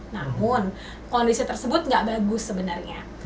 namun kondisi tersebut tidak bagus sebenarnya